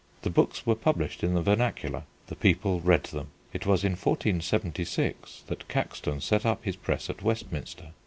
The books were published in the vernacular: the people read them. It was in 1476 that Caxton set up his press at Westminster.